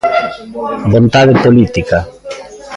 Vontade política.